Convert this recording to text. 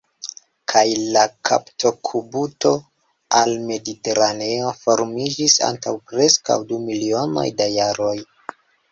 Kaj la kaptokubuto al Mediteraneo formiĝis antaŭ preskaŭ du milionoj da jaroj.